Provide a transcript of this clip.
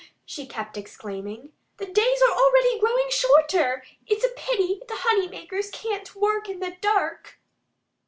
she kept exclaiming. "The days are already growing shorter. It's a pity the honeymakers can't work in the dark."